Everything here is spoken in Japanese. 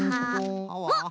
あっ！